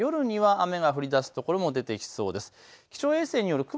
日中は曇り空、夜には雨が降りだす所も出てきそうです。